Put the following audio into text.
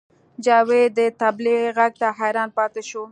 جاوید د طبلې غږ ته حیران پاتې شو